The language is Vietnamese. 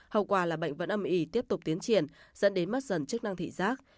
nói qua là bệnh vẫn âm y tiếp tục tiến triển dẫn đến mất dần chức năng thị giác